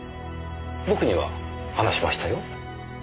僕には話しましたよ。